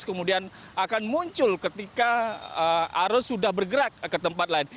kemudian akan muncul ketika arus sudah bergerak ke tempat lain